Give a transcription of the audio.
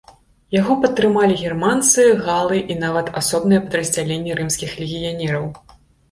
Яго падтрымалі германцы, галы і нават асобныя падраздзяленні рымскіх легіянераў.